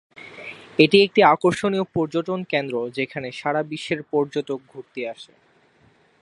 এটি একটি আকর্ষণীয় পর্যটন কেন্দ্র যেখানে সারা বিশ্বের পর্যটক ঘুরতে আসে।